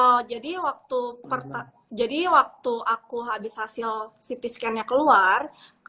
oh jadi waktu aku habis hasil ct scan nya keluar